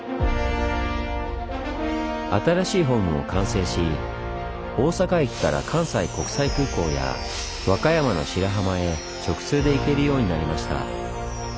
新しいホームも完成し大阪駅から関西国際空港や和歌山の白浜へ直通で行けるようになりました。